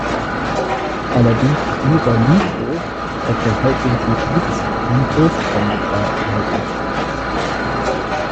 Allerdings ist nur bei Lütow auf der Halbinsel Gnitz ein Großsteingrab erhalten geblieben.